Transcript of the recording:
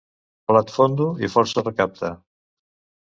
Plat fondo i força recapte.